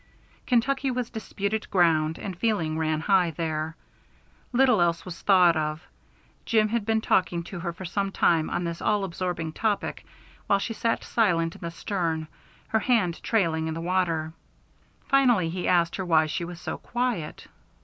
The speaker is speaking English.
Kentucky was disputed ground and feeling ran high there; little else was thought of. Jim had been talking to her for some time on this all absorbing topic while she sat silent in the stern, her hand trailing in the water. Finally he asked why she was so quiet.